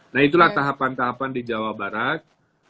nah itulah tahapan tahapan di jawa barat